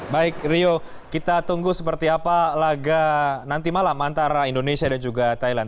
baik rio kita tunggu seperti apa laga nanti malam antara indonesia dan juga thailand